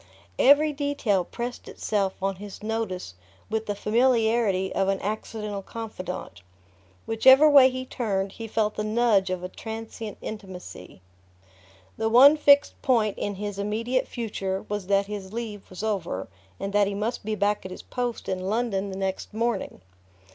Every detail pressed itself on his notice with the familiarity of an accidental confidant: whichever way he turned, he felt the nudge of a transient intimacy... The one fixed point in his immediate future was that his leave was over and that he must be back at his post in London the next morning.